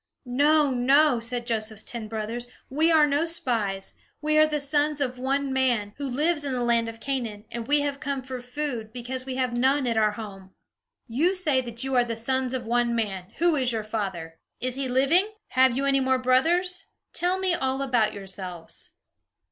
"No, no," said Joseph's ten brothers. "We are no spies. We are the sons of one man, who lives in the land of Canaan; and we have come for food, because we have none at home." "You say that you are the sons of one man, who is your father? Is he living? Have you any more brothers? Tell me all about yourselves."